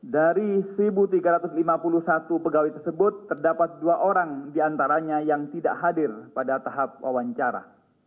dari satu tiga ratus lima puluh satu pegawai tersebut terdapat dua orang diantaranya yang tidak hadir pada tahap wawancara